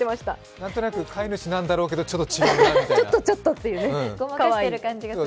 何となく飼い主なんだろうけど、ちょっと違うなと。